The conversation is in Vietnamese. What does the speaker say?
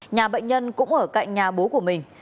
nhà bệnh nhân cũng ở cạnh nhà bố của mình